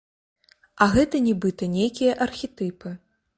А гэта нібыта нейкія архетыпы.